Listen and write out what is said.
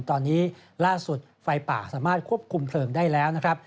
ตอนนี้ล่าสุดไฟป่าสามารถควบคุมเพลิงได้แล้วนะครับ